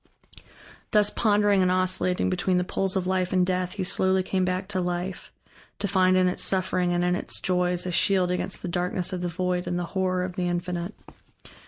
Thus pondering and oscillating between the poles of Life and Death, he slowly came back to life, to find in its suffering and in its joys a shield against the darkness of the void and the horror of the Infinite.